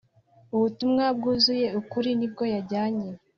ubutumwa bwuzuye ukuri nibwo yajyanye